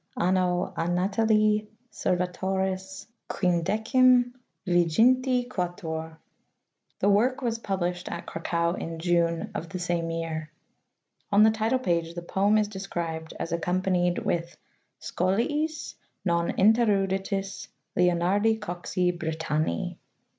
Anno a Natali Servatoris. M.D.XXIIIL" The work was published at Cracow in June of the same year. On the title page the poem is described as accompanied with "Scholiis non ineruditis Leonard! Coxi Britanni."